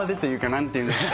何ていうんですか。